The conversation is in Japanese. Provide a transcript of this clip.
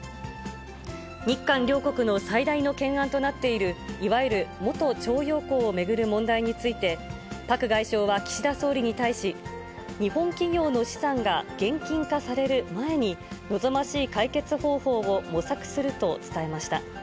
日韓両国の最大の懸案となっている、いわゆる元徴用工を巡る問題について、パク外相は岸田総理に対し、日本企業の資産が現金化される前に、望ましい解決方法を模索すると伝えました。